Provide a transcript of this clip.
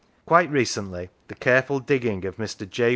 Quite recently the careful digging of Mr. J.